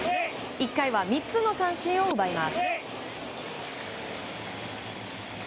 １回は３つの三振を奪います。